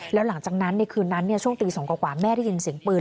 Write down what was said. แล้วหลังจากนั้นในคืนนั้นช่วงตี๒กว่าแม่ได้ยินเสียงปืน